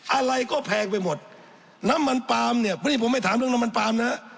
อะไรก็แพงไปหมดน้ำมันปลามเนี่ยพอดีผมไม่ถามเรื่องน้ำมันปลามนะฮะ